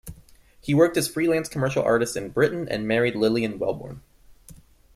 He worked as free-lance commercial artist in Britain, and married Lillian Welbourn.